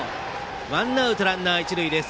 ワンアウトランナー、一塁です。